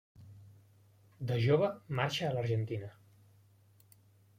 De jove marxa a l'Argentina.